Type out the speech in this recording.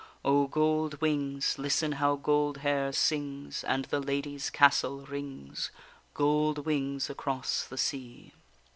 O gold wings, Listen how gold hair sings, And the Ladies Castle rings, Gold wings across the sea.